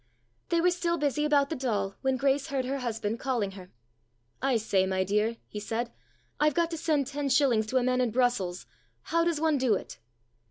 They were still busy about the doll when Grace heard her husband calling her. " I say, my dear," he said. " I've got to send ten shillings to a man in Brussels. How does one do it